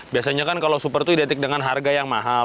biasanya kan kalau super itu identik dengan harga yang mahal